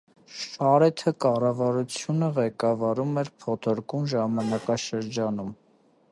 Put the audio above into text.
Շարեթը կառավարությունը ղեկավարում էր փոթորկուն ժամանակաշրջանում։